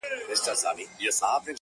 په سیوري پسي پل اخلي رازونه تښتوي!!